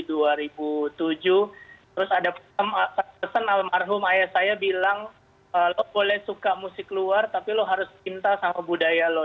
masa namamahum ayah saya bilang lo boleh suka musik luar tapi lo harus cinta sama budaya lo